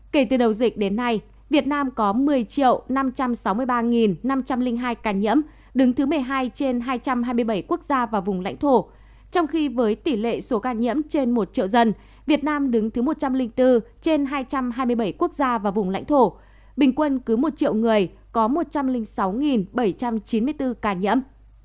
kể từ đầu dịch đến nay việt nam có một mươi năm trăm sáu mươi ba năm trăm linh hai ca nhiễm đứng thứ một mươi hai trên hai trăm hai mươi bảy quốc gia và vùng lãnh thổ trong khi với tỷ lệ số ca nhiễm trên một triệu dân việt nam đứng thứ một trăm linh bốn trên hai trăm hai mươi bảy quốc gia và vùng lãnh thổ bình quân cứ một triệu người có một trăm linh sáu bảy trăm chín mươi bốn ca nhiễm